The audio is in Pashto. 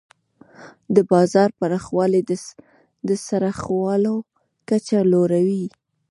د بازار پراخوالی د خرڅلاو کچه لوړوي.